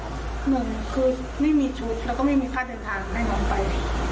หนึ่งคือไม่มีชุดแล้วก็ไม่มีค่าเดินทางให้น้องไป